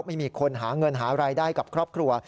ไม่มีคนหาเงินหารายได้กับครอบครัว